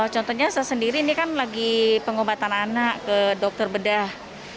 contohnya saya sendiri ini kan lagi pengobatan anak ke dokter bedah